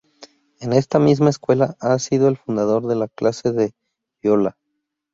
En esta misma escuela, ha sido el fundador de la clase de viola.